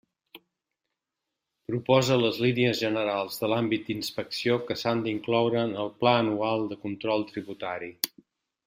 Proposa les línies generals de l'àmbit d'inspecció que s'han d'incloure en el Pla anual de control tributari.